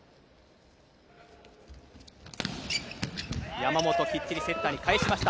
山本、きっちりセッターに返しました。